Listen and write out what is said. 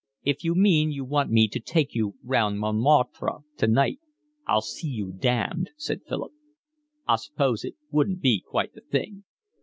"If you mean you want me to take you round Montmartre tonight, I'll see you damned," said Philip. "I suppose it wouldn't be quite the thing."